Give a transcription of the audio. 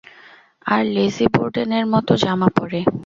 আর Lizzie বোর্ডেনের মতো জামা পরে।